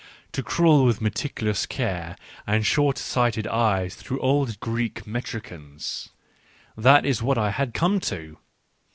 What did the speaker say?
Tocrawlwithmeticulouscareand short sighted eyes through old Greek metricians — that is what I had come to